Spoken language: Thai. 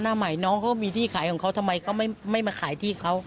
หน้าใหม่น้องเขามีที่ขายของเขาทำไมเขาไม่มาขายที่เขา